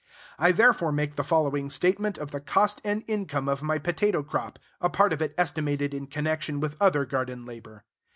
I therefore make the following statement of the cost and income of my potato crop, a part of it estimated in connection with other garden labor.